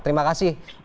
terima kasih prof ari